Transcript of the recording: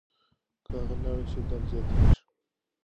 که هغه لاړه شي درد زیاتېږي.